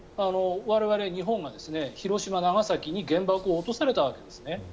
我々、日本が広島、長崎に原爆を落とされたわけですね。